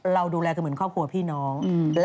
เราดูแลกันเหมือนครอบครัวพี่น้อง